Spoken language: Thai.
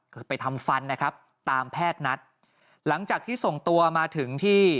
คือไปทำฟันนะครับตามแพทย์นัดหลังจากที่ส่งตัวมาถึงที่